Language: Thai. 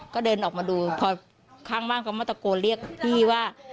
ก็เดินออกมาดูพอข้างบ้านเขามาตะโกนเรียกพี่ว่า